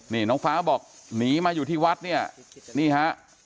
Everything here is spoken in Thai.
นี่น้องฟ้าบอกหนีมาอยู่ที่วัดเนี่ยนี่ฮะ